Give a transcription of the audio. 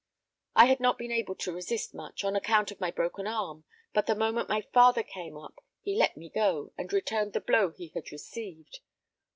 I had not been able to resist much, on account of my broken arm, but the moment my father came up he let me go, and returned the blow he had received.